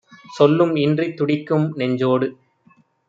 சொல்லும் இன்றித் துடிக்கும் நெஞ்சோடு